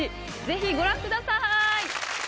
ぜひご覧ください！